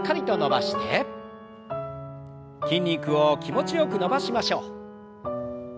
筋肉を気持ちよく伸ばしましょう。